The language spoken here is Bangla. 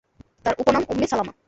তাঁর উপনাম উম্মে সালামা।